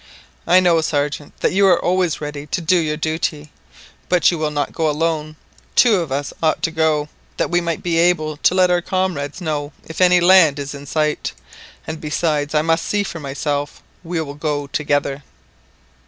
"I know, Sergeant, that you are always ready to do your duty, but you will not go alone. Two of us ought to go, that we may be able to let our comrades know if any land is in sight; and besides I must see for myself ... we will go together."